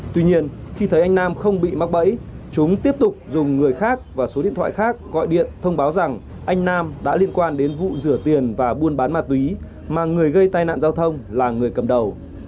tuy nhiên khi thấy anh nam không bị mắc bẫy chúng tiếp tục dùng người khác và số điện thoại khác gọi điện thông báo rằng anh nam đã liên quan đến vụ rửa tiền và buôn bán ma túy mà người gây tai nạn giao thông là người cầm đầu